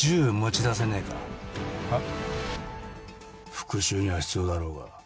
復讐には必要だろうが。